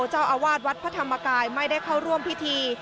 เจ้าอาวาสวัดพระธรรมกายไม่ได้เข้าร่วมพิธี